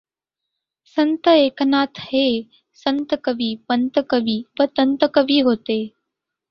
संत एकनाथ हे संतकवी, पंतकवी व तंतकवी होते.